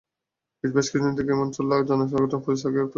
বেশ কিছুদিন থেকে এমন চললেও অজানা কারণে পুলিশ তাঁকে গ্রেপ্তার করছে না।